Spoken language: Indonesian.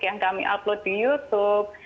yang kami upload di youtube